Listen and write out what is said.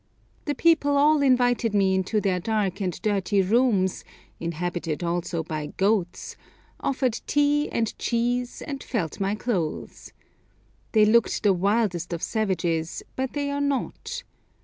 The people all invited me into their dark and dirty rooms, inhabited also by goats, offered tea and cheese, and felt my clothes. They looked the wildest of savages, but they are not.